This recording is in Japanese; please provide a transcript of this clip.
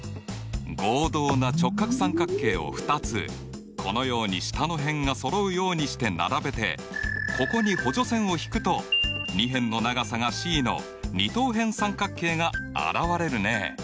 合同な直角三角形を２つこのように下の辺がそろうようにして並べてここに補助線を引くと２辺の長さがｃの二等辺三角形が現れるね。